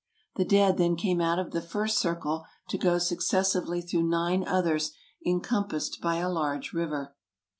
The dead then came out of the first circle to go successively through nine others encom passed by a large river.